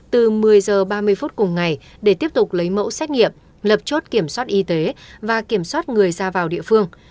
từ một mươi h ba mươi phút cùng ngày để tiếp tục lấy mẫu xét nghiệm lập chốt kiểm soát y tế và kiểm soát người ra vào địa phương